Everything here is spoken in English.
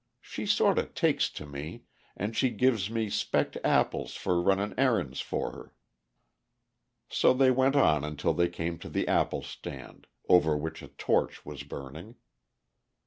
She sort o' takes to me, an' she gives me specked apples for runnin' errands for her." So they went on until they came to the apple stand, over which a torch was burning.